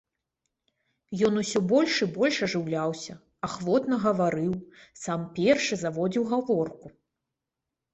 Ён усё больш і больш ажыўляўся, ахвотна гаварыў, сам першы заводзіў гаворку.